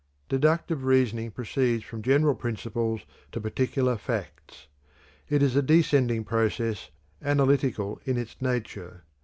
Deductive reasoning proceeds from general principles to particular facts. It is a descending process, analytical in its nature.